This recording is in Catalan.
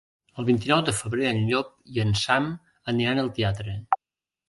El vint-i-nou de febrer en Llop i en Sam aniran al teatre.